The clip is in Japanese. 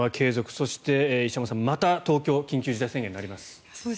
そして、石山さん、また東京は緊急事態宣言になります。